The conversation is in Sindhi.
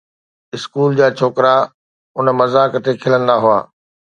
اسڪول جا ڇوڪرا ان مذاق تي کلندا هئا